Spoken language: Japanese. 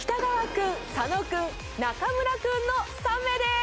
君佐野君中村君の３名です。